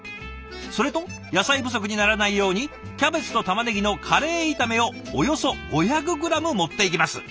それと野菜不足にならないようにキャベツとたまねぎのカレー炒めをおよそ５００グラム持っていきます。